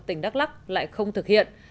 tỉnh đắk lắc lại không thực hiện